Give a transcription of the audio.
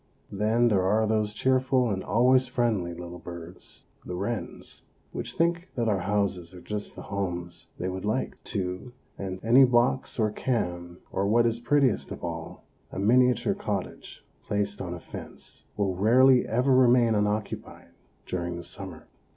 Then there are those cheerful and always friendly little birds, the wrens, which think that our houses are just the homes they would like, too; and any box or can, or what is prettiest of all, a miniature cottage placed on a fence, will rarely ever remain unoccupied during the summer.